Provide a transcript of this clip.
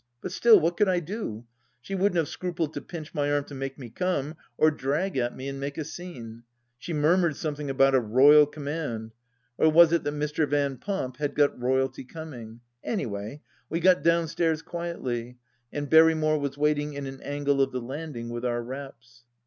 But still, what could I do ? She wouldn't have scrupled to pinch my arm to make me come, or drag at me and make a scene. She murmured something about a Royal command ... or was it that Mr. Van Pomp had got Royalty coming ?... Any way we got downstairs quietly, and Berrymore was waiting in an angle of the landing with our wraps.